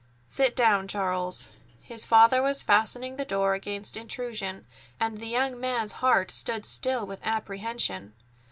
"Sit down, Charles." His father was fastening the door against intrusion, and the young man's heart stood still with apprehension.